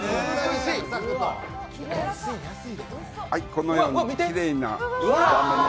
このようにきれいな断面に。